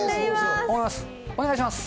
お願いします。